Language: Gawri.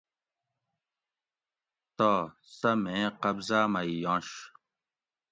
تہ سہ مین قبضا مئ یُنش